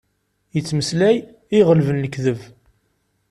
Ittmeslay, i iɣelben lekdeb.